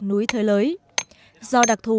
núi thới lới do đặc thù